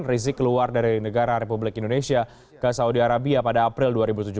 rizik keluar dari negara republik indonesia ke saudi arabia pada april dua ribu tujuh belas